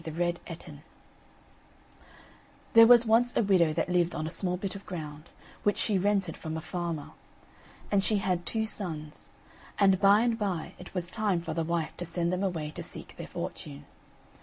THE RED ETTIN There was once a widow that lived on a small bit of ground, which she rented from a farmer. And she had two sons; and by and by it was time for the wife to send them away to seek their fortune.